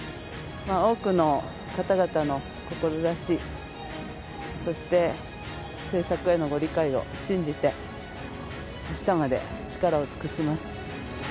多くの方々の志、そして、政策へのご理解を信じて、あしたまで力を尽くします。